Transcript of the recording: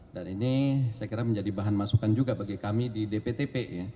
dan ini saya kira menjadi bahan masukan juga bagi kami di dptp